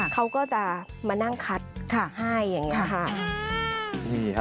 เขาก็จะมานั่งคัดให้อย่างนี้ค่ะ